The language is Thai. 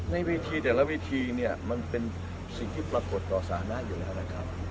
ในวิธีแต่ละวิธีเนี่ยมันเป็นสิ่งที่ปรากฏต่อสาหร่าหรืออะไรครับ